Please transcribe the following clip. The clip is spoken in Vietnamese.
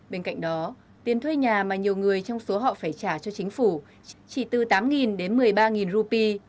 bên cạnh đó tiền thuê nhà mà nhiều người trong số họ phải trả cho chính phủ chỉ từ tám đến một mươi ba rupee